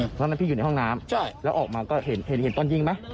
เพราะฉะนั้นพี่อยู่ในห้องน้ำแล้วออกมาก็เห็นตอนยิงไหม